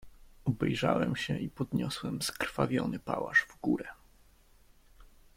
"Obejrzałem się i podniosłem skrwawiony pałasz w górę."